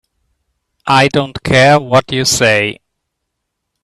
I don't care what you say.